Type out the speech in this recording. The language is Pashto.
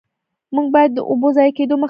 موږ باید د اوبو ضایع کیدو مخه ونیسو.